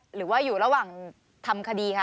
หรือว่าอยู่ระหว่างทำคดีคะ